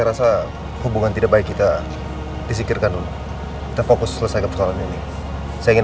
rasa hubungan tidak baik kita disikirkan fokus selesai kepercayaan ini sehingga